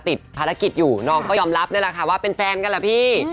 ติดภารกิจอยู่น้องก็ยอมรับนี่แหละค่ะว่าเป็นแฟนกันแหละพี่